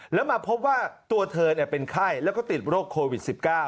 แล้วมาพบว่าตัวเธอเป็นไข้แล้วก็ติดโรคโควิด๑๙